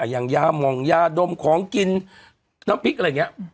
อย่างยามองยาดมของกินน้ำพริกอะไรอย่างนี้